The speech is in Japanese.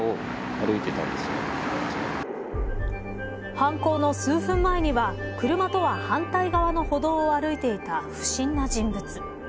犯行の数分前には車とは反対側の歩道を歩いていた不審な人物。